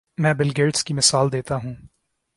میں Bill Gates کی مثال دیتا ہوں۔